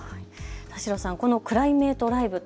田代さん、このクライメイト・ライブ